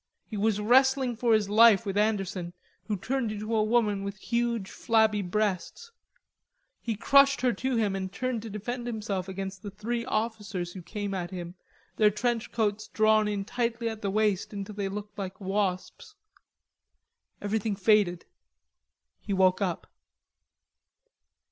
He was wrestling for his life with Anderson, who turned into a woman with huge flabby breasts. He crushed her to him and turned to defend himself against three officers who came at him, their trench coats drawn in tightly at the waist until they looked like wasps. Everything faded, he woke up.